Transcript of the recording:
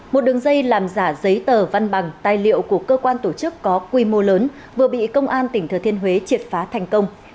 một đường dây làm giả giấy tờ văn bằng tài liệu của cơ quan tổ chức có quy mô lớn vừa bị công an tỉnh thừa thiên huế triệt phá thành công